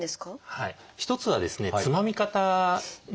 はい。